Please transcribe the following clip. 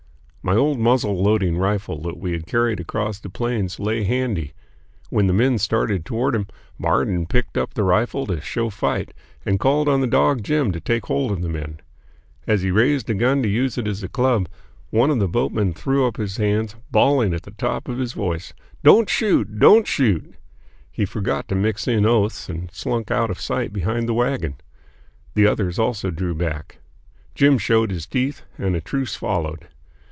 My old muzzle loading rifle that we had carried across the Plains lay handy. When the men started toward him, Marden picked up the rifle to show fight and called on the dog Jim to take hold of the men. As he raised the gun to use it as a club, one of the boatmen threw up his hands, bawling at the top of his voice, "Don't shoot! Don't shoot!" He forgot to mix in oaths and slunk out of sight behind the wagon. The others also drew back. Jim showed his teeth, and a truce followed.